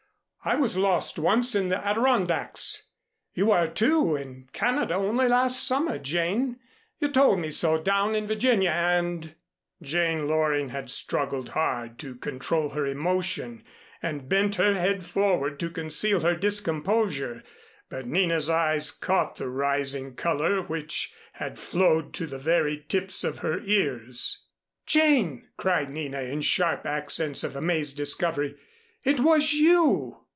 I was lost once in the Adirondacks. You were, too, in Canada only last summer, Jane. You told me so down in Virginia and " Jane Loring had struggled hard to control her emotion, and bent her head forward to conceal her discomposure, but Nina's eyes caught the rising color which had flowed to the very tips of her ears. "Jane!" cried Nina in sharp accents of amazed discovery. "It was you!"